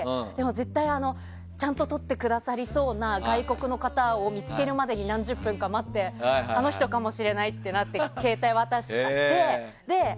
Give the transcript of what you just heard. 絶対にちゃんと撮ってくださりそうな外国の方を見つけるまでに何十分か待ってあの人かもしれないってなって携帯を渡して。